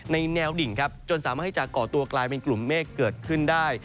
แนวดิ่งครับจนสามารถให้จะก่อตัวกลายเป็นกลุ่มเมฆเกิดขึ้นได้